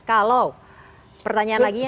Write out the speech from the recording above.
kalau pertanyaan lagi ya